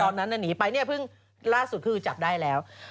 นั้นหนีไปเนี่ยเพิ่งล่าสุดคือจับได้แล้ว